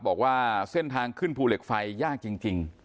บอกว่าเส้นทางขึ้นภูเหล็กไฟยากจริง